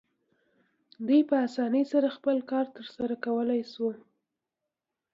دوی په اسانۍ سره خپل کار ترسره کولی شو.